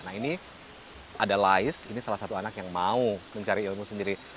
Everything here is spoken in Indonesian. nah ini ada lais ini salah satu anak yang mau mencari ilmu sendiri